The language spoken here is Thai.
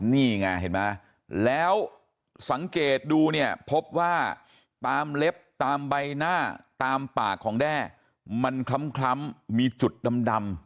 นี่ไงเห็นไหมแล้วสังเกตดูเนี่ยพบว่าตามเล็บตามใบหน้าตามปากของแด้มันคล้ำมีจุดดำ